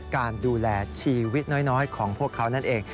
การดูแลชีวิตน้อยของพวกเขานั่นเอง